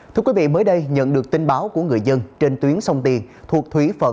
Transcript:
thưa quý vị mới đây nhận được tin báo của người dân trên tuyến sông tiền thuộc thủy phận